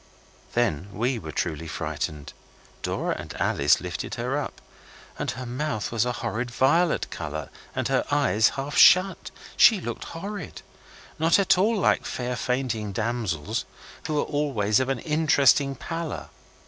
Then we were truly frightened. Dora and Alice lifted her up, and her mouth was a horrid violet colour and her eyes half shut. She looked horrid. Not at all like fair fainting damsels, who are always of an interesting pallor.